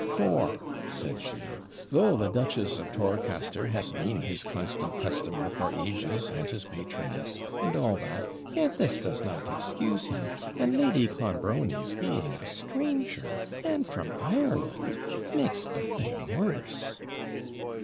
'For,' said she,' though the Duchess of Torcaster has been his constant customer for ages, and his patroness, and all that, yet this does not excuse him and Lady Clonbrony's being a stranger, and from Ireland, makes the thing worse.'